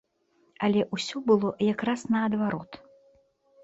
Але ўсё было якраз наадварот.